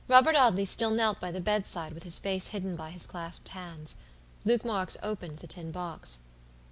Robert Audley still knelt by the bedside with his face hidden by his clasped hands. Luke Marks opened the tin box.